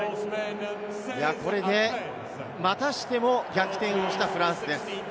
これでまたしても逆転をしたフランスです。